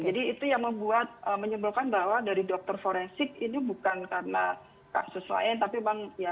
jadi itu yang membuat menyumbulkan bahwa dari dokter forensik ini bukan karena kasus lain tapi memang ya